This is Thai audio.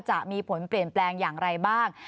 จะมีผลเปลี่ยนแปลงอย่างไรบ้าง